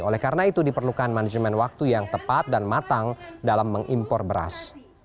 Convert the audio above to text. oleh karena itu diperlukan manajemen waktu yang tepat dan matang dalam mengimpor beras